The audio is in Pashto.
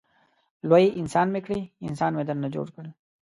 لوی انسان مې کړې انسان مې درنه جوړ کړ.